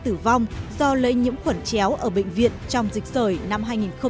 tử vong do lấy nhiễm khuẩn chéo ở bệnh viện trong dịch sởi năm hai nghìn một mươi bốn